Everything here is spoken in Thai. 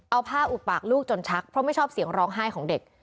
เอาผ้าอุดปากลูกจนชักเพราะไม่ชอบเสียงร้องไห้ของเด็ก